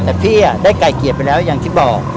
แต่พี่ได้ไก่เกลียดไปแล้วอย่างที่บอก